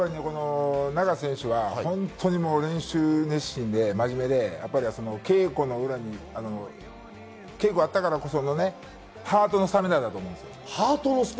永瀬選手は練習熱心で、真面目で、稽古の裏に稽古があったからこその、ハートのスタミナなと思うんですよ。